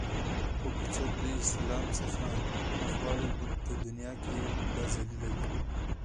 خو که څوک د اسلام څخه مخ واړوی په دنیا کی به ذلیل وی